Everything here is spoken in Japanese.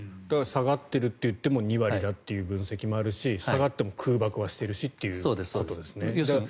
だから下がっているといっても２割だという分析もあるし下がっても空爆はしてるしということですね。